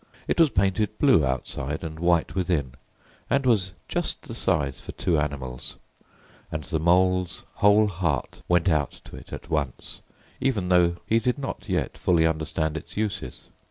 It was painted blue outside and white within, and was just the size for two animals; and the Mole's whole heart went out to it at once, even though he did not yet fully understand its uses.